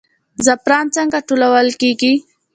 زعفران څنګه ټولول کیږي؟